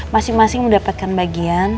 masing masing mendapatkan bagian